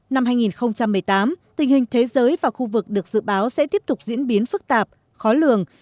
năm hai nghìn một mươi tám tình hình thế giới và khu vực được dự báo sẽ tiếp tục diễn biến phức tạp khó lường